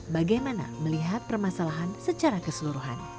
bagaimana melihat permasalahan secara keseluruhan